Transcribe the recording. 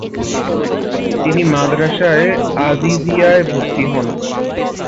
তিনি মাদ্রাসায়ে আজিজিয়ায় ভর্তি হন।